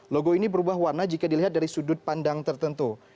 logo ini berubah warna jika dilihat dari sudut pandang tertentu